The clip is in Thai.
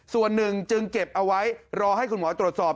ส่วนหนึ่งจึงเก็บเอาไว้รอให้คุณหมอตรวจสอบ